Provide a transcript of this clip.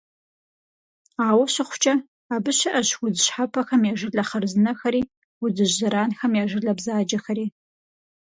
Ауэ щыхъукӀэ, абы щыӀэщ удз щхьэпэхэм я жылэ хъарзынэхэри удзыжь зэранхэм я жылэ бзаджэхэри.